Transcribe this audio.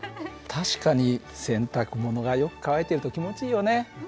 確かに洗濯物がよく乾いてると気持ちいいよね。